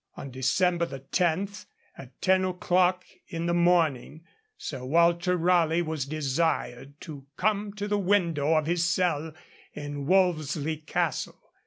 On December 10, at ten o'clock in the morning, Sir Walter Raleigh was desired to come to the window of his cell in Wolvesey Castle.